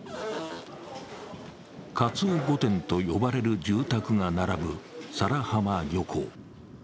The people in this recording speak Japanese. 鰹御殿と呼ばれる住宅が並ぶ佐良浜漁港。